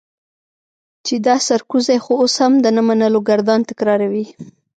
چې دا سرکوزی خو اوس هم د نه منلو ګردان تکراروي.